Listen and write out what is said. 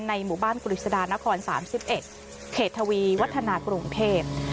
ในหมู่บ้านกุฤษฎานครสามสิบเอ็ดเขตทวีวัฒนากรุงเทพ